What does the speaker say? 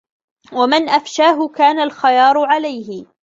وَمَنْ أَفْشَاهُ كَانَ الْخِيَارُ عَلَيْهِ